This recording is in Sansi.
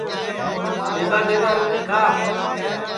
ٻیگا ٻیگا روٹی کھا